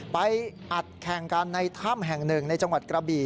อัดแข่งกันในถ้ำแห่งหนึ่งในจังหวัดกระบี่